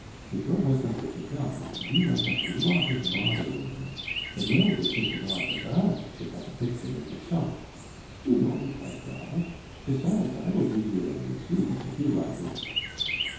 ... If your husband were to die you might have a lot of bother over it, but no one would think it odd that I should have a picture in the shop.... You know me quite well. Besides, I will give you a receipt if you like."